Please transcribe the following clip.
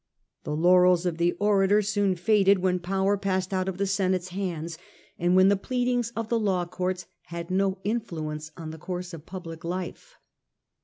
The laurels of the orator soon faded 198 The Earlier Empire. when power passed out of the Senate's hands, and when the pleadings of the law courts had no influence on the course of public life.